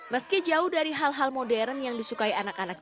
meski jauh dari hal hal modern yang disukai anak anak